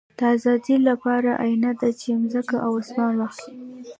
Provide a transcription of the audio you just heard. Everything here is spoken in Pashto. د آزادۍ له پاره اړینه ده، چي مځکه او اسمان واخلې.